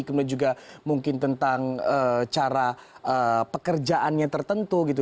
kemudian juga mungkin tentang cara pekerjaannya tertentu gitu